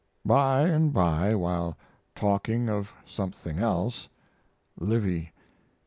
By and by, while talking of something else: LIVY.